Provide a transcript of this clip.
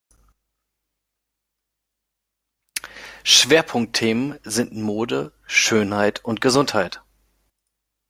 Schwerpunktthemen sind Mode, Schönheit und Gesundheit.